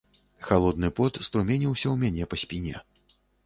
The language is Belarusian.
Халодны пот струменіўся ў мяне па спіне.